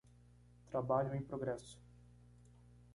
Trabalho em progresso.